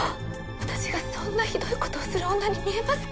私がそんなひどいことをする女に見えますか？